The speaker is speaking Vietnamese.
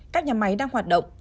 các nhà máy đang hoạt động